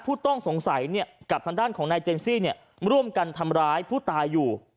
ผู้ต้องสงสัยกับทางด้านของนายเจนซี่ร่วมกันทำร้ายผู้ตายอยู่